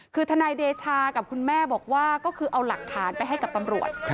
คือทนายเดชากับคุณแม่บอกว่าก็คือเอาหลักฐานไปให้กับตำรวจ